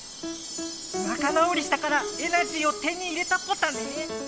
仲直りしたからエナジーを手に入れたポタね。